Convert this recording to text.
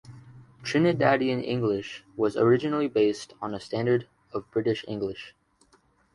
Trinidadian English was originally based on a standard of British English.